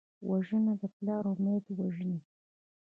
وژنه د پلار امید وژني